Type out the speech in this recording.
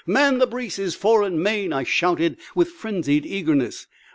"Man the braces, fore and main!" I shouted with frenzied eagerness.